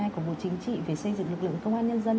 của bộ chính trị về xây dựng lực lượng công an nhân dân